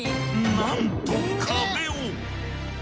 なんと壁を。